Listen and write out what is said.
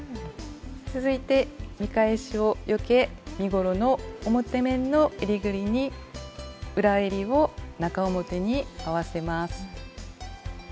続いて見返しをよけ身ごろの表面のえりぐりに裏えりを中表に合わせます。